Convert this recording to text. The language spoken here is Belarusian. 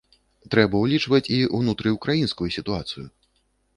Трэба ўлічваць і ўнутрыўкраінскую сітуацыю.